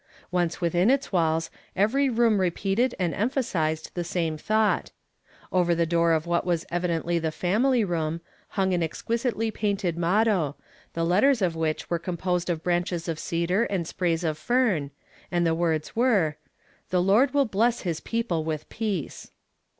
Once within its walls, every room repeated and emphasized the same thought. Over the door of what was evidently the family room, hung an exquisitely painted motto, the letters of which were composed of ])ranches of cedar and sprays of fern ; and the words were :— "THE LORb Wn.L BLESS HIS PEOPLE WITH PEACE."